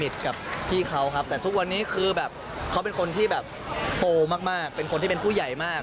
แต่ทุกวันนี้เขาเป็นคนที่โปรมากเป็นคนที่เป็นผู้ใหญ่มาก